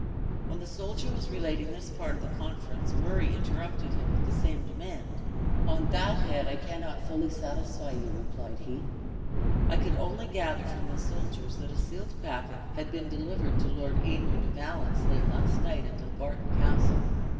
When the soldier was relating this part of the conference, Murray interrupted him with the same demand. "On that head I cannot fully satisfy you," replied he; "I could only gather from the soldiers that a sealed packet had been delivered to Lor Aymer de Valence late last night at Dumbarton Castle.